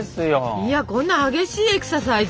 いやこんな激しいエクササイズ？